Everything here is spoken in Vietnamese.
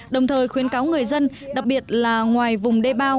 đồng thời khuyến cáo người dân đặc biệt là ngoài vùng đê bao